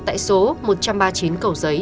tại số một trăm ba mươi chín cầu giấy